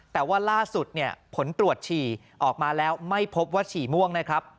แต่ว่าล่าสุดเนี่ยผลตรวจฉี่ออกมาแล้วไม่พบว่าฉี่ม่วงนะครับ